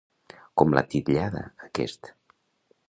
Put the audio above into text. Com l'ha titllada aquest?